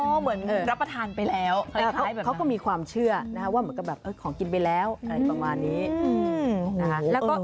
ก็เหมือนรับประทานไปแล้วเขาก็มีความเชื่อนะคะว่าเหมือนกับแบบของกินไปแล้วอะไรประมาณนี้นะคะ